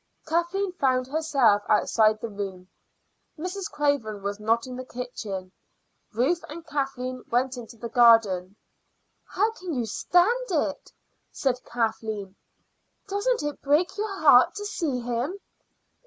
Kathleen found herself outside the room. Mrs. Craven was not in the kitchen. Ruth and Kathleen went into the garden. "How can you stand it?" said Kathleen. "Doesn't it break your heart to see him?"